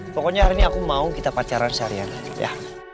pokoknya hari ini aku mau kita pacaran seharian ya